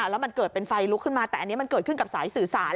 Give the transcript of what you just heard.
แล้วมันเกิดเป็นไฟลุกขึ้นมาแต่อันนี้มันเกิดขึ้นกับสายสื่อสาร